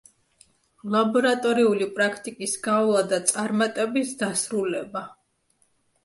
ლაბორატორიული პრაქტიკის გავლა და წარმატებით დასრულება.